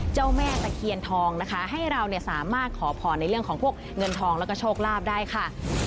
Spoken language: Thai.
เจ้าแม่ตะเคียนทองนะคะให้เราเนี่ยสามารถขอพรในเรื่องของพวกเงินทองแล้วก็โชคลาภได้ค่ะ